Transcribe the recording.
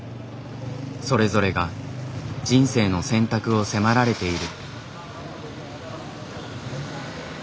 それぞれが人生の選択を迫られている。